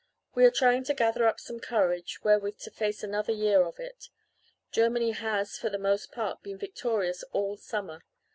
We are trying to gather up some courage wherewith to face another year of it. Germany has, for the most part, been victorious all summer.